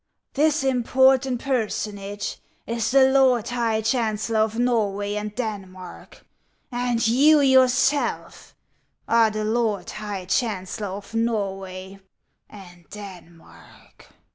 This important personage is the Lord High Chancellor of Norway and Denmark ; and you yourself are the Lord Higli Chancellor of Norway and Denmark."